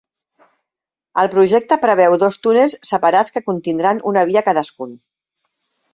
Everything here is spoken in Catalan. El projecte preveu dos túnels separats que contindran una via cadascun.